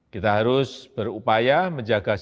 kita harus berupaya menjaga kesehatan